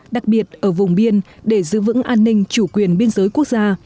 đặc biệt ở vùng biên để giữ vững an ninh chủ quyền biên giới quốc gia